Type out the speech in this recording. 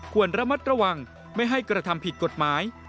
ควรระมัดระวังไม่ให้กระทำผิดกฎหมาย